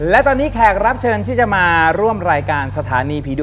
และตอนนี้แขกรับเชิญที่จะมาร่วมรายการสถานีผีดุ